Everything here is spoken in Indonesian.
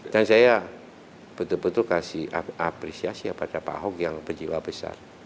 dan saya betul betul kasih apresiasi kepada pak hock yang berjiwa besar